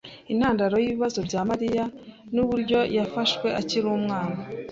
Intandaro yibibazo bya Mariya nuburyo yafashwe akiri umwana